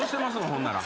ほんなら。